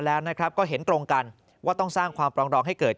แล้วนะครับก็เห็นตรงกันว่าต้องสร้างความปรองดองให้เกิด